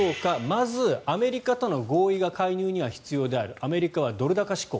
まず、アメリカとの合意が介入には必要であるアメリカはドル高志向。